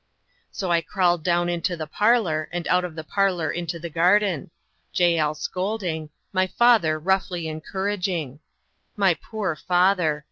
So I crawled down into the parlour, and out of the parlour into the garden; Jael scolding, my father roughly encouraging. My poor father!